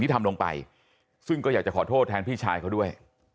โทษแทนพี่ชายเขาด้วย